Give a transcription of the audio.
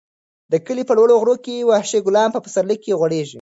د کلي په لوړو غرونو کې وحشي ګلان په پسرلي کې غوړېږي.